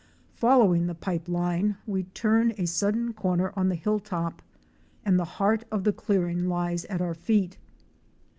Following the pipe line we turn a sudden corner on the hill top and the heart of the clearing lies at our feet.